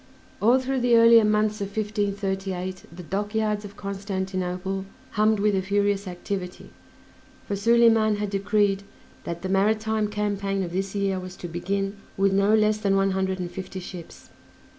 All through the earlier months of 1538 the dockyards of Constantinople hummed with a furious activity, for Soliman had decreed that the maritime campaign of this year was to begin with no less than one hundred and fifty ships.